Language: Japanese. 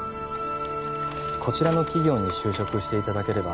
こちらの企業に就職していただければ